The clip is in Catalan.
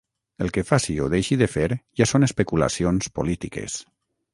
El que faci o deixi de fer ja són especulacions polítiques.